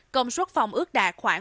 công suất phòng ước đạt khoảng bảy mươi